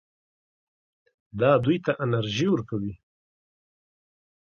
دا دوی ته انرژي ورکوي.